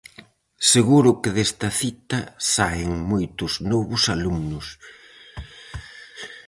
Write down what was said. Seguro que desta cita saen moitos novos alumnos!